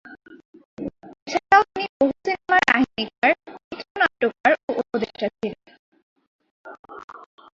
এছাড়াও তিনি বহু সিনেমার কাহিনীকার, চিত্রনাট্যকার ও উপদেষ্টা ছিলেন।